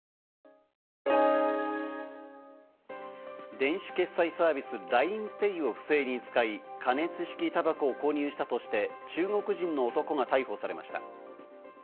電子決済サービスＬＩＮＥＰａｙを不正に使い、加熱式たばこを購入したとして、中国人の男が逮捕されました。